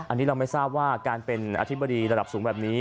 อันนี้เราไม่ทราบว่าการเป็นอธิบดีระดับสูงแบบนี้